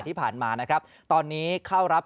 ปีดประเด็นนี้นะครับ